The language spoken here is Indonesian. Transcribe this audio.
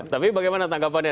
tapi bagaimana tanggapannya